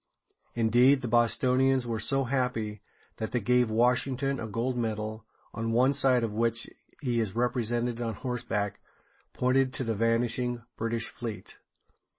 Indeed, the Bostonians were so happy that they gave Washington a gold medal, on one side of which he is represented on horseback, pointing to the vanishing British fleet.